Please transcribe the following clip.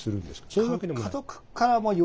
そういうわけでもない？